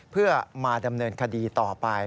เพื่อมาดำเนินคดีต่อไป